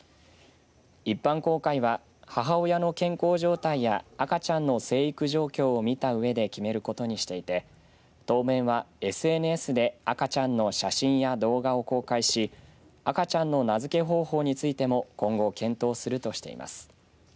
一般公開は母親の健康状態や赤ちゃんの生育状況を見たうえで決めることにしていて当面は、ＳＮＳで赤ちゃんの写真や動画を公開し赤ちゃんの名付け方法についても今後検討するとしています。